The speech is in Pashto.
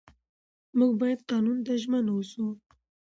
موږ باید قانون ته ژمن واوسو